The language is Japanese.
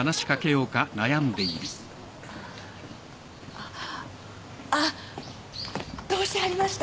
あっどうしはりました？